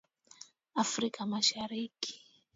Afrika Mashariki